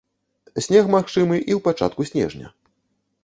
Снег магчымы і ў пачатку снежня.